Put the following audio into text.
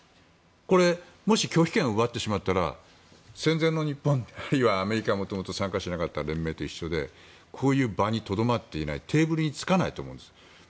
もし拒否権を奪ってしまったら戦前の日本あるいはアメリカがもともと参加しなかった連盟と一緒でこういう場にとどまっていないテーブルにつかないと思います。